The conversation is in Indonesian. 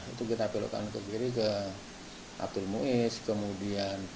itu kita belokkan ke kiri ke abdul muiz kemudian